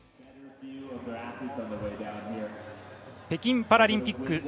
北京パラリンピック